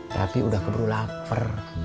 tapi udah keburu lapar